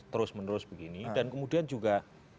terus menerus begini dan kemudian juga